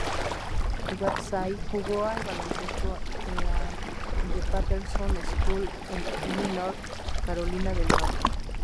Whiteside jugó al baloncesto en la The Patterson School en Lenoir, Carolina del Norte.